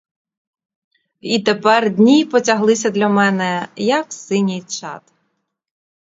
Тепер дні потяглися для мене, як синій чад.